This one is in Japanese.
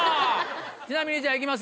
ちなみにじゃあいきますよ。